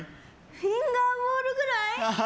フィンガーボウルぐらい？